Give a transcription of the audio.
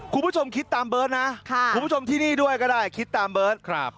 คุณผู้ชมคิดตามเบิร์ตนะคุณผู้ชมที่นี่ด้วยก็ได้คิดตามเบิร์ต